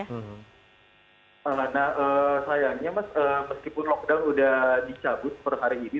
nah sayangnya mas meskipun lockdown sudah dicabut per hari ini